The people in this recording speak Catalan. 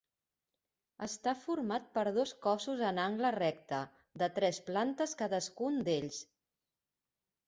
Està format per dos cossos en angle recte de tres plantes cadascun d'ells.